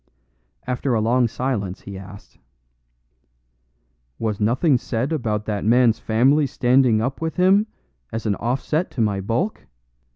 After a long silence he asked: "Was nothing said about that man's family standing up with him, as an offset to my bulk?